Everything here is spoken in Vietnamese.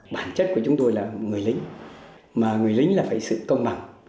bản chất của chúng tôi là người lính mà người lính là phải sự công bằng